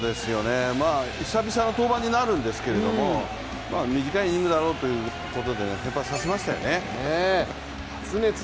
久々の登板になるんですけれども短いイニングだろうということで先発させましたね。